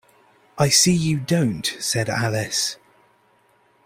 ‘I see you don’t,’ said Alice.